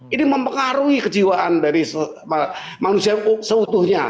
ini mempengaruhi kejiwaan dari manusia yang seutuhnya